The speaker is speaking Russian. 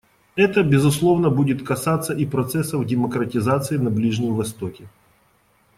Это, безусловно, будет касаться и процессов демократизации на Ближнем Востоке.